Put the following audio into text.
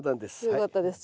よかったです